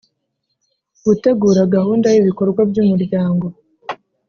Gutegura gahunda y ibikorwa by umuryango